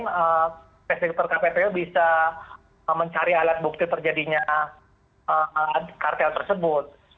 kemudian respektor kppu bisa mencari alat bukti terjadinya kartel tersebut